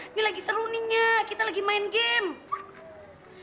ini lagi seru nih nyak kita lagi main game